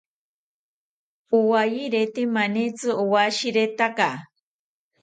Owayerite manitzi owashiretaka